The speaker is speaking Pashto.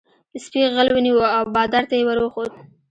سپي غل ونیو او بادار ته یې ور وښود.